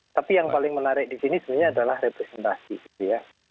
tapi yang paling menarik di sini sebenarnya adalah representasi